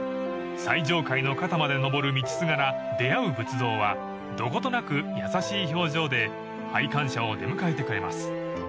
［最上階の肩まで登る道すがら出会う仏像はどことなく優しい表情で拝観者を出迎えてくれます］